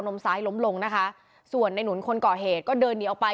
มซ้ายล้มลงนะคะส่วนในหนุนคนก่อเหตุก็เดินหนีออกไป